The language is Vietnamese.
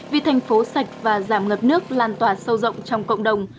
vì thành phố sạch và giảm ngập nước lan tỏa sâu rộng trong cộng đồng